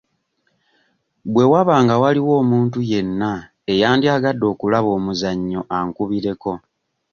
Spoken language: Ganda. Bwe waba nga waliwo omuntu yenna eyandyagadde okulaba omuzannyo ankubireko.